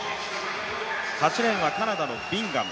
８レーンはカナダのビンガム。